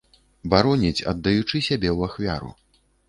Бароніць, аддаючы сябе ў ахвяру.